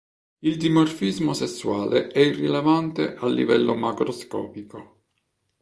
Il dimorfismo sessuale è irrilevante a livello macroscopico.